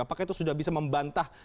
apakah itu sudah bisa membantah